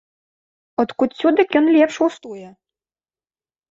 От куццю дык ён лепш густуе.